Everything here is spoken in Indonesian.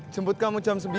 jemput kamu jam sembilan